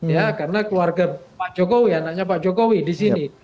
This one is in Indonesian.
ya karena keluarga pak jokowi anaknya pak jokowi di sini